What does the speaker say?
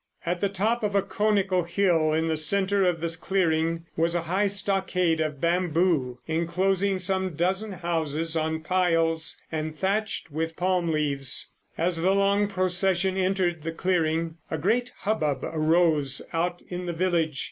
At the top of a conical hill in the centre of the clearing was a high stockade of bamboo enclosing some dozen houses on piles and thatched with palm leaves. As the long procession entered the clearing, a great hubbub arose out in the village.